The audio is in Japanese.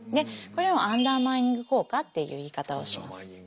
これをアンダーマイニング効果っていう言い方をします。